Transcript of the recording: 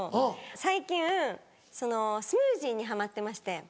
最近スムージーにハマってまして。